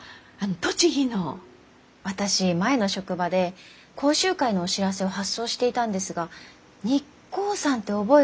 私前の職場で講習会のお知らせを発送していたんですが日光山って覚えがあって。